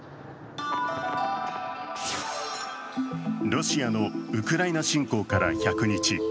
ロシアのウクライナ侵攻から１００日。